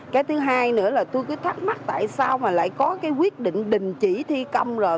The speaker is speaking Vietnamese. cái thứ hai nữa là tôi cứ thắc mắc tại sao mà lại có cái quyết định đình chỉ thi công rồi